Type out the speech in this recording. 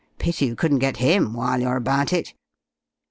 Pity you couldn't get him while you're about it."